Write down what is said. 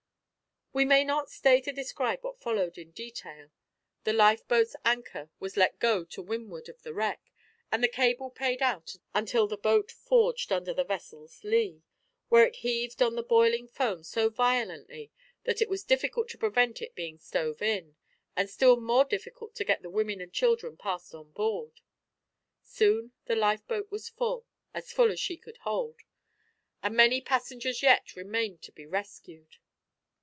We may not stay to describe what followed in detail. The lifeboat's anchor was let go to windward of the wreck, and the cable paid out until the boat forged under the vessel's lee, where it heaved on the boiling foam so violently that it was difficult to prevent it being stove in, and still more difficult to get the women and children passed on board. Soon the lifeboat was full as full as she could hold and many passengers yet remained to be rescued.